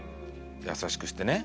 優しくしてね。